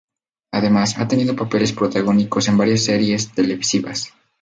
Además, ha tenido papeles protagónicos en varias series televisivas.